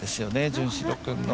潤志郎君の。